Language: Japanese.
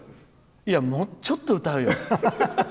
いや、もうちょっと歌うよ。